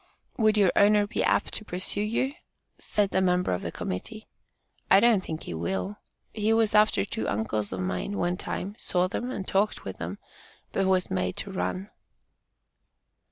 "Would your owner be apt to pursue you?" said a member of the Committee. "I don't think he will. He was after two uncles of mine, one time, saw them, and talked with them, but was made to run."